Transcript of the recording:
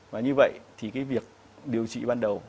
và như vậy thì cái việc điều trị ban đầu